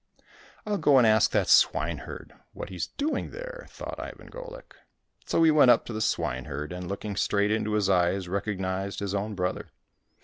" I'll go and ask that swineherd what he's doing there," thought Ivan Golik. So he went up to the swineherd, and, looking straight into his eyes, recognized his own brother.